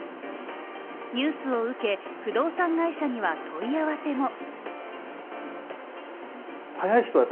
ニュースを受け、不動産会社には問い合わせも。